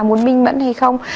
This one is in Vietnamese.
muốn minh mẫn hay không